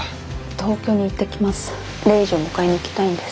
東京に行ってきます。